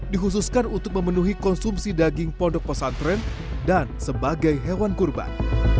dikhususkan untuk memenuhi konsumsi daging pondok pesantren dan sebagai hewan kurban